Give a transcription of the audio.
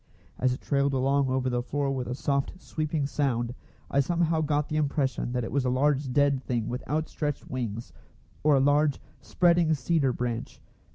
As it trailed along over the floor with a soft, sweeping sound, I somehow got the impression that it was a large dead thing with outstretched wings, or a large, spreading cedar branch.